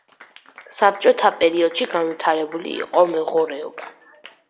საბჭოთა პერიოდში განვითარებული იყო მეღორეობა.